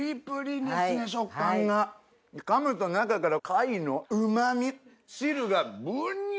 かむと中から貝のうまみ汁がブニュ！